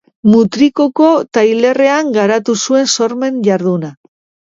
Mutrikuko tailerrean garatu zuen sormen-jarduna.